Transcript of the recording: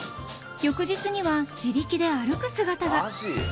［翌日には自力で歩く姿が］